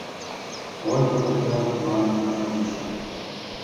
Ойго пыта манын, шонышым.